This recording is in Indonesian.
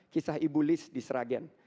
kisah ibu liz diseragen